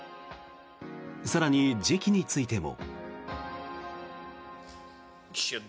更に、時期についても。